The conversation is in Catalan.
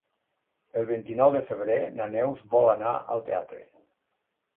El vint-i-nou de febrer na Neus vol anar al teatre.